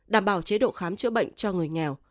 đảm bảo chế độ khám chữa bệnh cho người nghèo